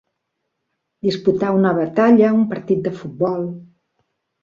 Disputar una batalla, un partit de futbol.